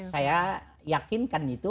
saya yakinkan itu